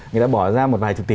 người ta bỏ ra một vài chục tí